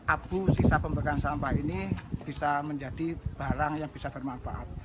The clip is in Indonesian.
abu sisa pembergang sampah ini bisa menjadi barang yang bisa bermanfaat